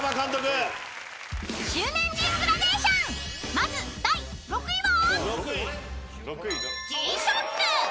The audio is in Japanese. ［まず第６位は］